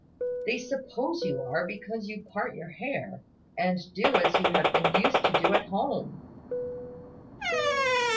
"They suppose you are, because you part your hair, and do as you have been used to do at home."